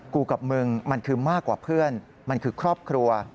กับมึงมันคือมากกว่าเพื่อนมันคือครอบครัว